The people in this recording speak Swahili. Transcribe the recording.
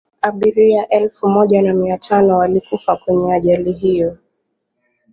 abiria elfu moja na mia tano walikufa kwenye ajali hiyo